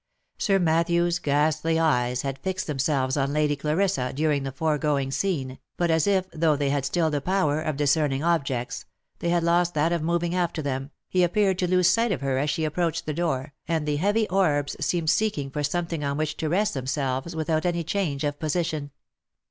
Sir Matthew's ghastly eyes had fixed themselves on Lady Clarissa during the foregoing scene, but as if, though they had still the power of discerning objects, they had lost that of moving after them, he appeared to lose sight of her as she approached the door, and the heavy orbs seemed seeking for some thing on which to rest themselves without any change of position.